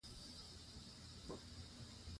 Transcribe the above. ځمکه د افغانستان د جغرافیایي موقیعت یوه لویه پایله ده.